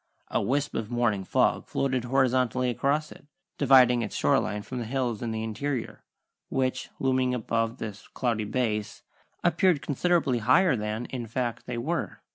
A wisp of morning fog floated horizontally across it, dividing its shore line from the hills in the interior, which, looming above this cloudy base, appeared considerably higher than, in fact, they were.